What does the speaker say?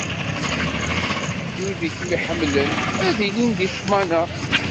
Wid i kem-iḥemmlen ad ilin di ṭṭmana.